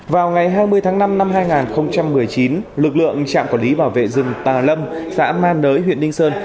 vào ngày hai mươi tháng năm năm hai nghìn một mươi chín lực lượng trạm quản lý bảo vệ rừng tà lâm xã ma nới huyện ninh sơn